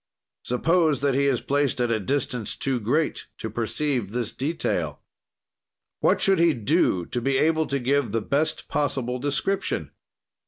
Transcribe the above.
"Suppose that he is placed at a distance too great to perceive this detail. "What should he do to be able to give the best possible description?